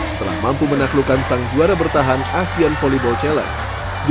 setelah mampu menaklukkan sang juara bertahan asean volleyball challenge